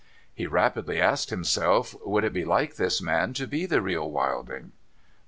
He rapidly asked himself, would he like this man to be the real Wilding?